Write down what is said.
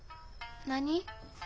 何？